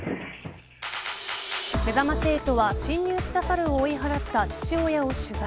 めざまし８が侵入したサルを追い払った父親を取材。